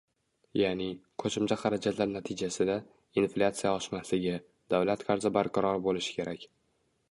Ya'ni, qo'shimcha xarajatlar natijasida -inflyatsiya oshmasligi, davlat qarzi barqaror bo'lishi kerak